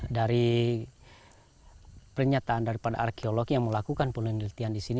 dari pernyataan dari arkeologi yang melakukan penelitian di sini